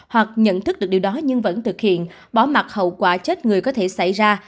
hoặc nhận thức được điều đó nhưng vẫn thực hiện bỏ mặt hậu quả chết người có thể xảy ra